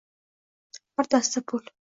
Bir dasta pul